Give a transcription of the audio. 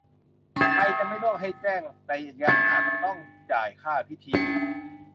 ใครจะไม่ร่วมให้แจ้ง แต่อาจยังต้องจ่ายค่าพิธีอยู่